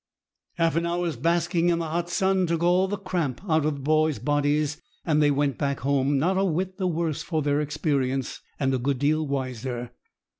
Half an hour's basking in the hot sun took all the cramp out of the boys' bodies, and they went back home, not a whit the worse for their experience, and a good deal wiser.